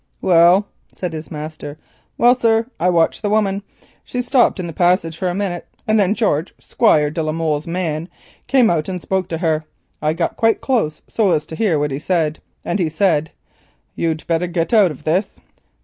"Well?" said his master. "Well, sir, I watched the woman. She stopped in the passage for a minute, and then George, Squire de la Molle's man, came out and spoke to her. I got quite close so as to hear, and he said, 'You'd better get out of this.